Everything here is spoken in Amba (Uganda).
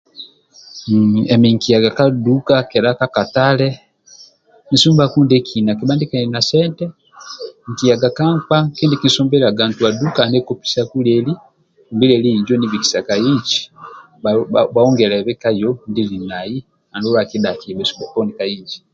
Emi nkiyaga ka dduka kedha ka katale nisumbaku ndiekina kedha ndinkili na sente nkiyaga ka nkpa kindi nkisumbiliaga ntua dduka aniekopisaku lieli dumbi lieli injo nibikisa ka inji bha bhaongelebe keyo ndinili nai andulu akidhakie bhesu bhoponi ka inji.